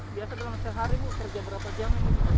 biasa dengan sehari kerja berapa jam